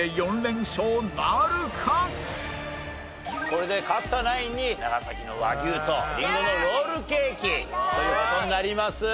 これで勝ったナインに長崎の和牛とりんごのロールケーキという事になります。